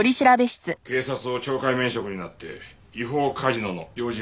警察を懲戒免職になって違法カジノの用心棒か。